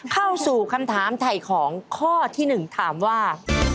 เข้าสู่คำถามถ่ายของข้อที่๑ถามว่า